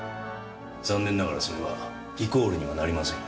残念ながらそれはイコールにはなりませんよ。